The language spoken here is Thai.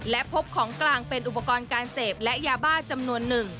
และพบของกลางเป็นอุปกรณ์การเสพและยาบ้าจำนวนหนึ่ง